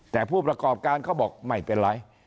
แต่ผู้ประกอบการเขาบอกไม่เป็นไร